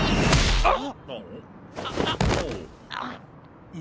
あっ！